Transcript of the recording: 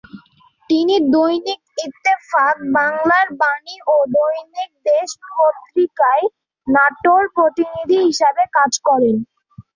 তিনি দৈনিক ইত্তেফাক, বাংলার বাণী ও দৈনিক দেশ পত্রিকায় নাটোর প্রতিনিধি হিসেবে কাজ করেন।